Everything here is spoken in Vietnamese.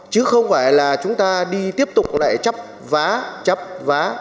chứ không phải là chúng ta đi tiếp tục lại chấp vá chấp vá